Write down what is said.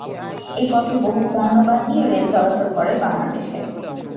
এই পথে বহু পণ্যবাহী রেল চলাচল করে বাংলাদেশে।